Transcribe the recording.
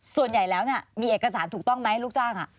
ส่วนใหญ่แล้วมีเอกสารถูกต้องไหมลูกจ้าง